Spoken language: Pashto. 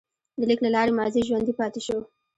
د لیک له لارې ماضي ژوندی پاتې شو.